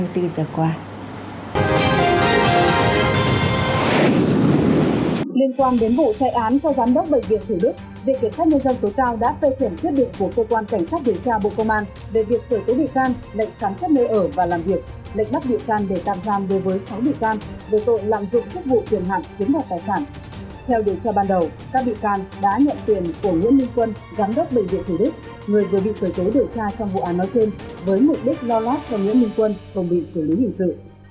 theo điều tra ban đầu các bị can đã nhận tuyển của nguyễn minh quân giám đốc bệnh viện thủ đức người vừa bị khởi tố điều tra trong vụ án nói trên với mục đích lo lát cho nguyễn minh quân không bị xử lý hình sự